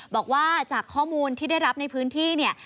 บอกว่าจากข้อมูลที่ได้รับในพื้นที่เนี่ย